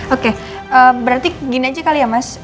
oke berarti gini aja kali ya mas